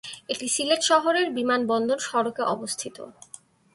এটি সিলেট শহরের বিমানবন্দর সড়কে অবস্থিত।